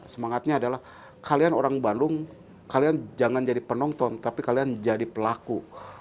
semangatnya adalah kalian orang bandung kalian jangan jadi penonton tapi kalian jadi pelaku